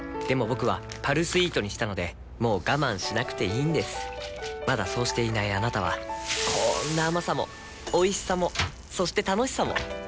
僕は「パルスイート」にしたのでもう我慢しなくていいんですまだそうしていないあなたはこんな甘さもおいしさもそして楽しさもあちっ。